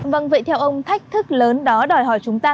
vâng vậy theo ông thách thức lớn đó đòi hỏi chúng ta